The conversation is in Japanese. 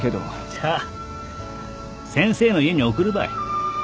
じゃ先生の家に送るばい。